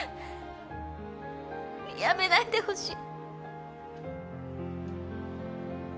やめないでほしい。